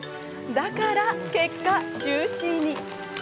だから、結果ジューシーに！